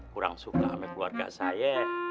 kurang suka sama keluarga saya